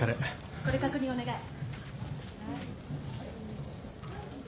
これ確認お願い。